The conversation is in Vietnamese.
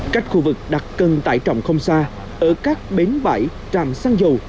cách khu vực đặt cân tải trọng không xa ở các bến bãi trạm xăng dầu